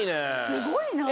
すごいな。